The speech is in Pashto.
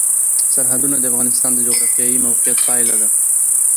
سرحدونه د افغانستان د جغرافیایي موقیعت پایله ده.